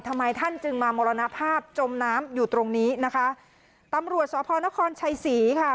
ทำไมท่านจึงมามรณภาพจมน้ำอยู่ตรงนี้นะคะตำรวจสพนครชัยศรีค่ะ